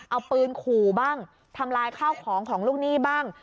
เอาปืนขู่บ้างทำลายข้าวของของลูกหนี้บ้าง